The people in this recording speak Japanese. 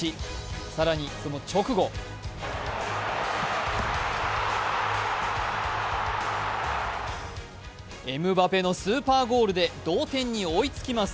更にその直後エムバペのスーパーゴールで同点に追いつきます。